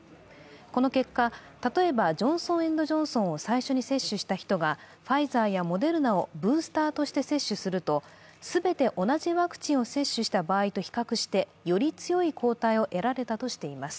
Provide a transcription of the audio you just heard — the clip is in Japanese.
この結果、例えばジョンソン・エンド・ジョンソンを最初に接種した人がファイザーやモデルナをブースターとして接種すると全て同じワクチンを接種した場合と比較してより強い抗体を得られたとしています。